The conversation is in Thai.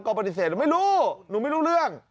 ก็ปฏิเสธไม่รู้หนูไม่รู้เรื่อง